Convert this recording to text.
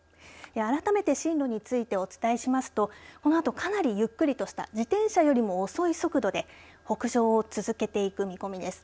改めて進路についてお伝えしますとこのあと、かなりゆっくりとした自転車よりも遅い速度で北上を続けていく見込みです。